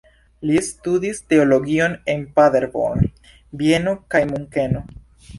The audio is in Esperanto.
Li studis teologion en Paderborn, Vieno kaj Munkeno.